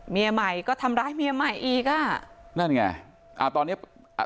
เมียใหม่ก็ทำร้ายเมียใหม่อีกอ่ะนั่นไงอ่าตอนเนี้ยอ่า